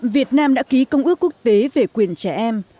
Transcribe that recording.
việt nam đã ký công ước quốc tế về quyền trẻ em